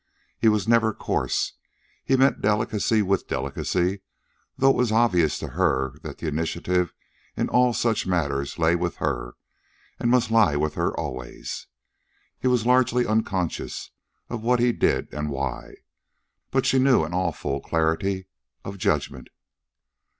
He was never coarse. He met delicacy with delicacy, though it was obvious to her that the initiative in all such matters lay with her and must lie with her always. He was largely unconscious of what he did and why. But she knew in all full clarity of judgment.